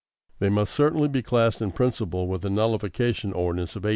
They must certainly be classed in principle with the Nullification Ordinance of 1832.